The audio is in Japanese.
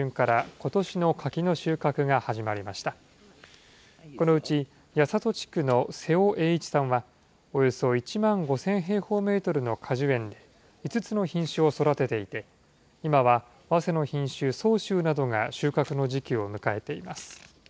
このうち、八郷地区の瀬尾栄一さんはおよそ１万５０００平方メートルの果樹園で５つの品種を育てていて、今はわせの品種、早秋などが収穫の時期を迎えています。